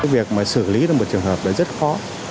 việc mà xử lý là một trường hợp là rất khó